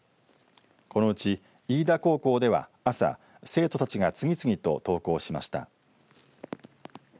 このうち飯田高校では朝生徒たちが次々と登校しました。